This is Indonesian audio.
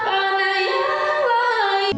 pada yang lain